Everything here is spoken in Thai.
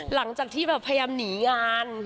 หลังจากที่แบบพยายามหนีงาน